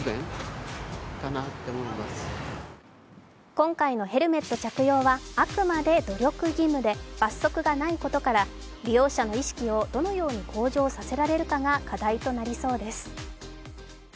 今回のヘルメット着用はあくまで努力義務で罰則がないことから利用者の意識をどのように向上させられるかが課題となりそうです。